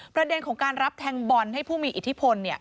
ประเด็นของการรับแทงบอลให้ผู้มีอิทธิพล